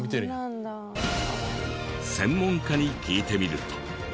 専門家に聞いてみると。